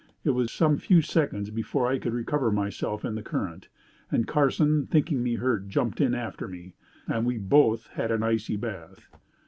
It was some few seconds before I could recover myself in the current, and Carson thinking me hurt jumped in after me, and we both had an icy bath.